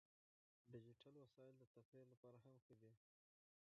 ډیجیټل وسایل د تفریح لپاره هم ښه دي.